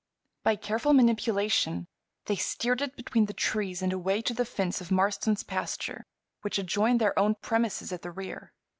By careful manipulation they steered it between the trees and away to the fence of Marston's pasture, which adjoined their own premises at the rear.